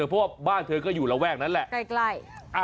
เพราะว่าบ้านเธอก็อยู่ระแวกนั้นแหละใกล้